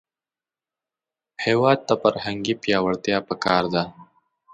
هېواد ته فرهنګي پیاوړتیا پکار ده